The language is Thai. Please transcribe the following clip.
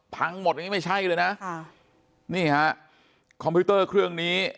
พังหมดอย่างงี้ไม่ใช่เลยนะค่ะนี่ฮะคอมพิวเตอร์เครื่องนี้